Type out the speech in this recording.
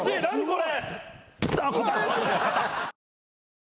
これ。